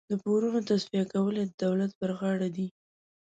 د پورونو تصفیه کول یې د دولت پر غاړه دي.